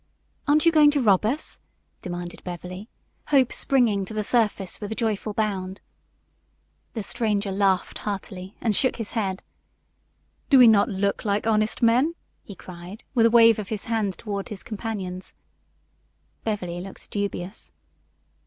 "Aren't you going to rob us?" demanded Beverly, hope springing to the surface with a joyful bound. The stranger laughed heartily, and shook his head. "Do we not look like honest men?" he cried, with a wave of his hand toward his companions. Beverly looked dubious.